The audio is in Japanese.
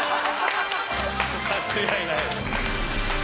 間違いない。